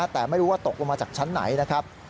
แต่ไม่รู้ว่าตกลงมาจากชั้นไหนนะครับ